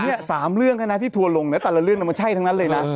เนี่ยสามเรื่องค่ะนะที่ทัวร์ลงเนี่ยแต่ละเรื่องมันไม่ใช่ทั้งนั้นเลยนะ